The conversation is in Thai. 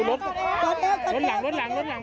รอขนาดหลังรอขนาดหลัง